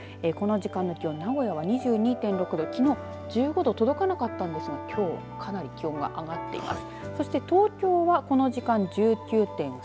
この時間の気温名古屋は２２．６度きのう１５度届かなかったんですが、きょうかなり気温が上がっています。